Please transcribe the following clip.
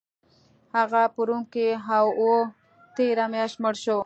هغه په روم کې و او تیره میاشت مړ شو